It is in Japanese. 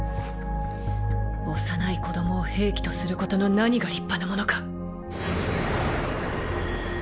幼い子どもを兵器とすることの何が立派なものか。